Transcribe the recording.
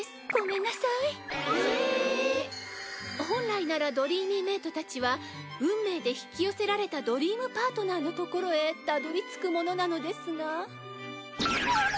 本来ならドリーミーメイトたちは運命で引き寄せられたドリームパートナーのところへたどりつくものなのですが。